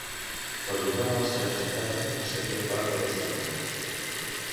Perdonar els que ens ofenen seria part d'aquest amor.